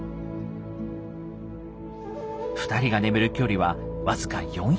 ２人が眠る距離は僅か４００ｍほど。